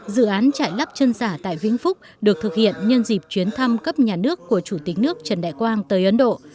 dự án chạy lắp chân giả tại vĩnh phúc được thực hiện nhân dịp chuyến thăm cấp nhà nước của chủ tịch nước trần đại quang tới ấn độ